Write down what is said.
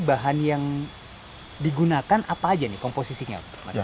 bahan yang digunakan apa aja nih komposisinya